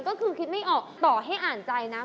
ก็คือคิดไม่ออกต่อให้อ่านใจนะ